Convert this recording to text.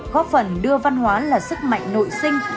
góp phần đưa văn hóa là sức mạnh nội sinh